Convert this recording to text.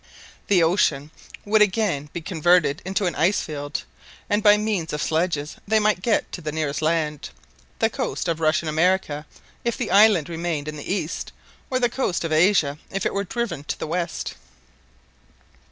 The ocean would again be converted into an ice field, and by means of sledges they might get to the nearest land—the coast of Russian America if the island remained in the east, or the coast of Asia if it were driven to the west.